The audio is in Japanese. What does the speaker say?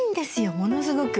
ものすごく。